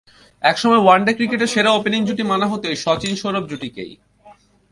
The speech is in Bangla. একসময় ওয়ানডে ক্রিকেটে সেরা ওপেনিং জুটি মানা হতো এই শচীন সৌরভ জুটিকেই।